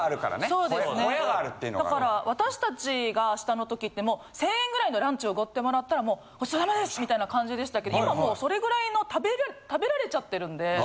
そうですねだから私達が下の時ってもう１０００円位のランチ奢ってもらったらもう「ごちそうさまです！」みたいな感じでしたけど今もうそれぐらいの食べられちゃってるんで。